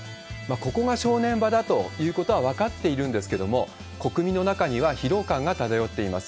ここが正念場だということは分かっているんですけれども、国民の中には疲労感が漂っています。